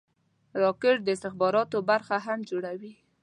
راکټ د استخباراتو برخه هم جوړوي